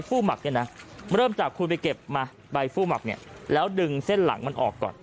หมักเนี่ยนะเริ่มจากคุณไปเก็บมาใบผู้หมักเนี่ยแล้วดึงเส้นหลังมันออกก่อน